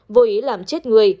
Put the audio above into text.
vô ý làm chết người